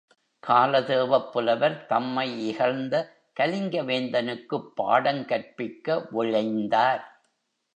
காலதேவப் புலவர், தம்மை இகழ்ந்த கலிங்கவேந்தனுக்குப் பாடம் கற்பிக்க விழைந்தார்.